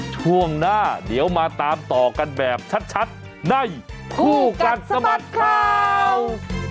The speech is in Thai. ช่วงหน้าเดี๋ยวมาตามต่อกันแบบชัดในคู่กัดสะบัดข่าว